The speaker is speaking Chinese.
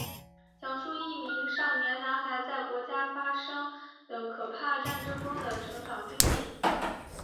讲述一名少年男孩在国家发生的可怕战争中的成长经历。